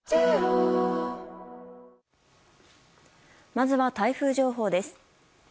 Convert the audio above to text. まずは台風情報です。